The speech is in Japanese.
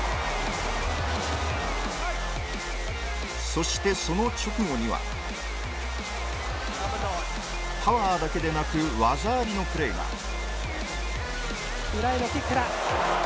そしてその直後にはパワーだけでなく技ありのプレーが裏へのキックだ。